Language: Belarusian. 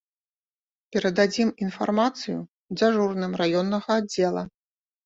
Перададзім інфармацыю дзяжурным раённага аддзела.